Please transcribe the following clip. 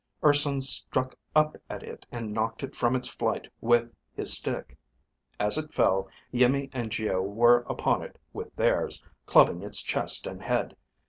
Urson struck up at it and knocked it from its flight with his stick. As it fell, Iimmi and Geo were upon it with theirs, clubbing its chest and head.